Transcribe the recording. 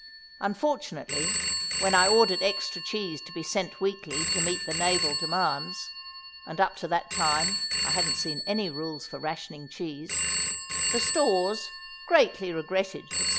Unfortunately, when I ordered extra cheese to be sent weekly to meet the naval demands (and up to that time I hadn't seen any rules for rationing cheese), the Stores "greatly regretted," etc.